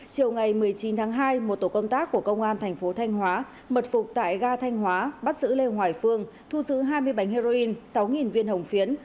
chiều ngày một mươi chín tháng hai một tổ công tác của công an thành phố thanh hóa mật phục tại ga thanh hóa bắt giữ lê hoài phương thu giữ hai mươi bánh heroin sáu viên hồng phiến